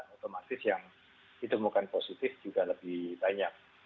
otomatis yang ditemukan positif juga lebih banyak